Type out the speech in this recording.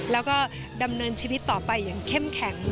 แล้วก็ดำเนินชีวิตต่อไปอย่างเข้มแข็ง